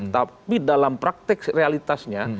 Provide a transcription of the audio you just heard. tapi dalam praktek realitasnya